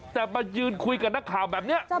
แต่มายืนคุยกับนักข่าวแบบนี้